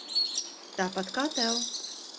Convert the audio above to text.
Tāpat kā tev.